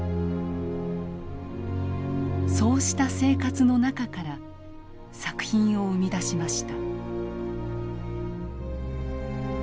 そうした生活の中から作品を生み出しました。